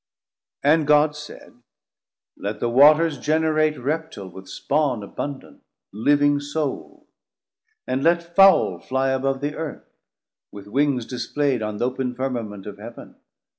And God said, let the Waters generate Reptil with Spawn abundant, living Soule: And let Fowle flie above the Earth, with wings Displayd on the op'n Firmament of Heav'n.